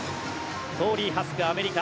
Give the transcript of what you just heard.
トーリー・ハスク、アメリカ。